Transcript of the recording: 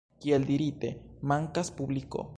Kiel dirite, mankas publiko.